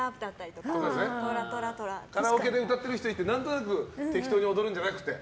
カラオケで歌ってる人がいて何となく踊るんじゃなくて？